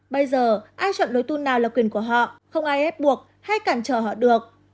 bây giờ ai chọn lối tôn nào là quyền của họ không ai ép buộc hay cản trở họ được